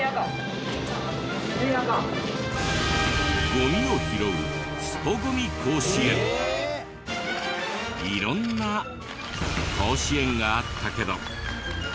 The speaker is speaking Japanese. ゴミを拾う色んな甲子園があったけど。